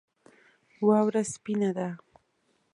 واوره سپینه ده